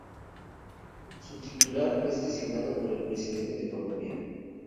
Su titular es designado por el Presidente de Colombia.